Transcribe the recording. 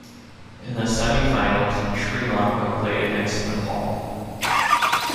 In the semi-finals Sri Lanka played against Nepal.